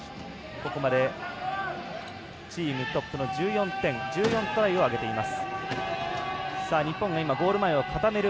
ここまでチームトップの１４トライを挙げています。